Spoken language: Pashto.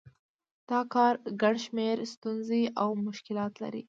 دا کار ګڼ شمېر ستونزې او مشکلات لري